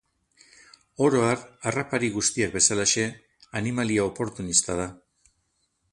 Oro har, harrapari guztiak bezalaxe, animalia oportunista da.